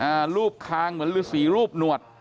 อ่ารูปคางเหมือนสีรูปหนวด